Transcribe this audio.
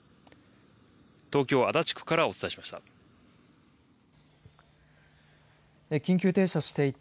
東京、足立区からお伝えしました。